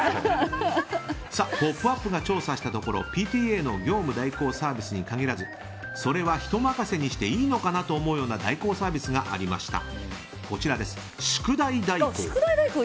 「ポップＵＰ！」が調査したところ、ＰＴＡの業務代行サービスに限らずそれは人任せにしていいのかなと思うような代行サービスがありました。